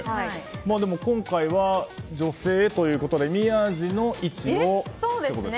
今回は女性ということで宮司の位置のということですよね。